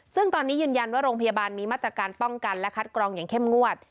ซึ่งตอนนี้ยืนยันว่าโรงพยาบาลมีมาตรการป้องกันและคัดกรองอย่างเข้มงวด